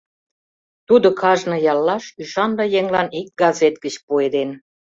Тудо кажне яллаш ӱшанле еҥлан ик газет гыч пуэден.